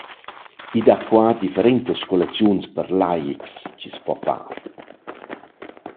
I dà qua differentas scolaziuns per laics chi’s po far.